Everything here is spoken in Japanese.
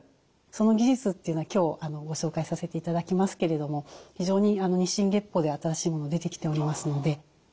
その技術というのを今日ご紹介させていただきますけれども非常に日進月歩で新しいもの出てきておりますので。